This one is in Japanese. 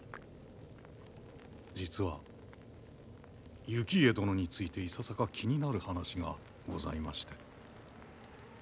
実は行家殿についていささか気になる話がございまして。